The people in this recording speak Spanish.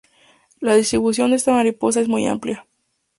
La distribución de esta mariposa es muy amplia.